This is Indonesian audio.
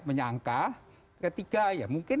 menyangka ketiga ya mungkin